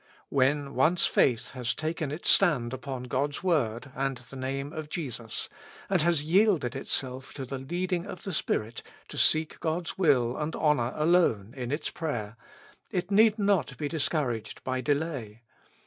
When once faith has taken its stand upon God's 124 With Christ in the School of Prayer. Word and the Name of Jesus, and has yielded itself to the leading of the Spirit to seek God's will and honor alone in its prayer, it need not be discouraged by delay.